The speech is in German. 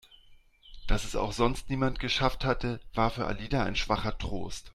Dass es auch sonst niemand geschafft hatte, war für Alida ein schwacher Trost.